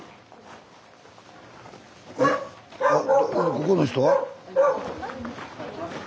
ここの人は？